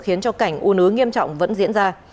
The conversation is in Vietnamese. khiến cho cảnh ùn ứ nghiêm trọng vẫn diễn ra